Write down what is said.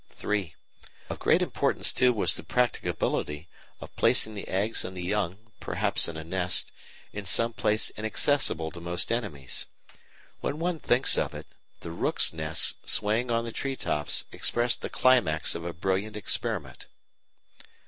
(3) Of great importance too was the practicability of placing the eggs and the young, perhaps in a nest, in some place inaccessible to most enemies. When one thinks of it, the rooks' nests swaying on the tree tops express the climax of a brilliant experiment.